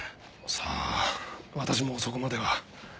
さぁ私もそこまでは。